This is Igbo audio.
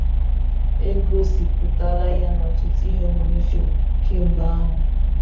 E gosipụtala ya n'ọtụtụ ihe omume fim kemgbe ahụ.